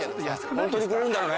本当にくれるんだろうね？